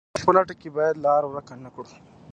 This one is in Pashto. د نوښت په لټه کې باید لار ورکه نه کړو.